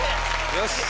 よし！